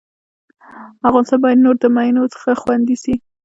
افغانستان بايد نور د مينو څخه خوندي سي